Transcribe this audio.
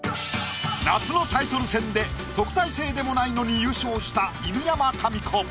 夏のタイトル戦で特待生でもないのに優勝した犬山紙子。